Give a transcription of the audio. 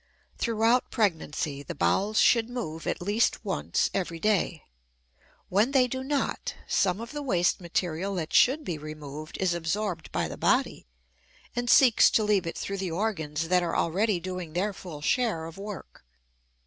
Throughout pregnancy the bowels should move at least once every day. When they do not, some of the waste material that should be removed is absorbed by the body and seeks to leave it through the organs that are already doing their full share of work.